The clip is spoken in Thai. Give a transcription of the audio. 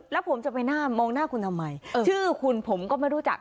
แล้วผมจะไปหน้ามองหน้าคุณทำไมชื่อคุณผมก็ไม่รู้จัก